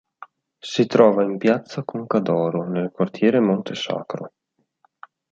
Si trova in piazza Conca d'Oro, nel quartiere Monte Sacro.